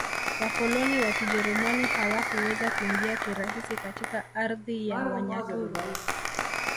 Wakoloni wa Kijerumani hawakuweza kuingia kirahisi katika ardhi ya Wanyaturu